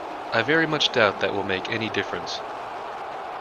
I very much doubt that that will make any difference.